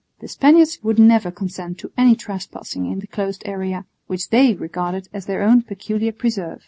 The Spaniards would never consent to any trespassing in the closed area, which they regarded as their own peculiar preserve.